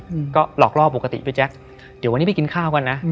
อืมก็หลอกล่อปกติพี่แจ๊คเดี๋ยววันนี้ไปกินข้าวกันนะ